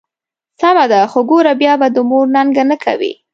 سمه ده، خو ګوره بیا به د مور ننګه نه کوې.